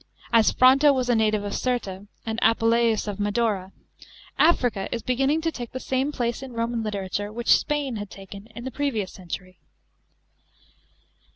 As Fronto was a native of Cirta, and Apuleius of Madaura, Africa is beginning to take the same place in Roman literature which Spain had taken in the previous century.